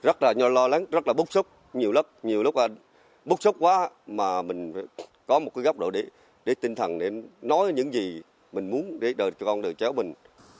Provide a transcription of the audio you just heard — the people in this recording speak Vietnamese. rất là lo lắng rất là bốc sốc nhiều lúc bốc sốc quá mà mình có một góc độ tinh thần để nói những gì mình muốn để đời con đời chéo mình